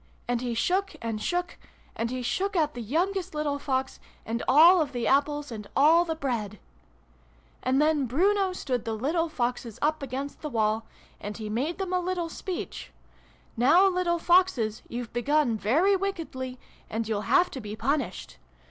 And he shook, and shook ! And he shook out the youngest little Fox, and all the Apples, and all the Bread ! "And then Bruno stood the little Foxes up against the wall : and he made .them a little speech. ' Now, little Foxes, you've begun very wickedly and you'll have to be punished.